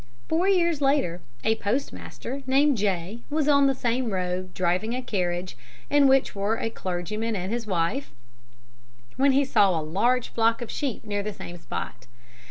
"Four years later a postmaster, named J., was on the same road, driving a carriage, in which were a clergyman and his wife, when he saw a large flock of sheep near the same spot.